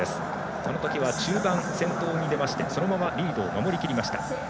そのときは中盤先頭に出てそのままリードを守りきりました。